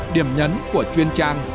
điểm nhấn của chuyên trang